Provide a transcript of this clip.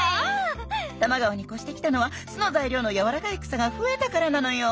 多摩川に越してきたのは巣の材料のやわらかい草が増えたからなのよ。